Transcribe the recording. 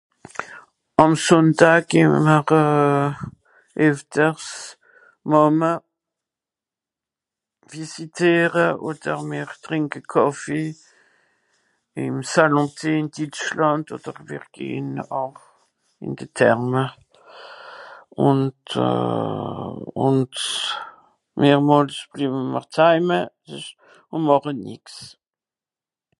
àm sùndaa geh mr euh efters d'màme visitiere òder mer trìnke kàffee ìm salon de thé ìn ditschlànd òder wìr gehn auch ìn de Therme ùnd euh und mehrmòls bliewe mr t'heime e ùn màche nix